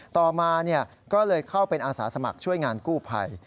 ต่อมาก็เลยเข้าเป็นอาสาสมัครช่วยงานกู้ภัย